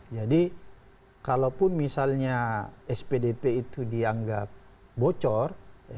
jadi kalaupun misalnya spdp itu dianggap bocor